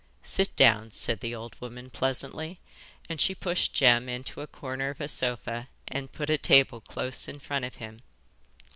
'Sit down,' said the old woman pleasantly, and she pushed Jem into a corner of a sofa and put a table close in front of him.